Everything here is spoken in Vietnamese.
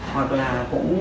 hoặc là cũng